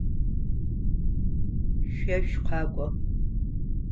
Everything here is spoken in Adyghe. Шъо шъукъэкӏо.